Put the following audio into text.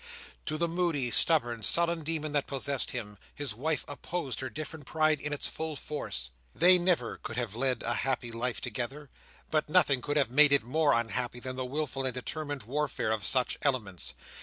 To the moody, stubborn, sullen demon, that possessed him, his wife opposed her different pride in its full force. They never could have led a happy life together; but nothing could have made it more unhappy, than the wilful and determined warfare of such elements.